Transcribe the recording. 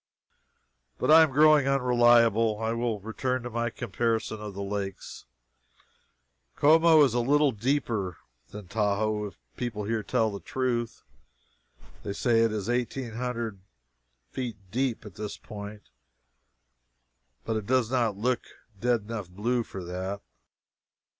But I am growing unreliable. I will return to my comparison of the lakes. Como is a little deeper than Tahoe, if people here tell the truth. They say it is eighteen hundred feet deep at this point, but it does not look a dead enough blue for that.